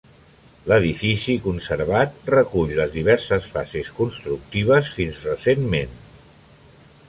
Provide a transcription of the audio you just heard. L'edifici conservat recull les diverses fases constructives fins recentment.